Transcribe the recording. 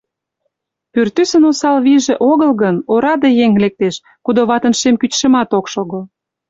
Пӱртӱсын осал вийже огыл гын, ораде еҥ лектеш, кудо ватын шем кӱчшымат ок шого.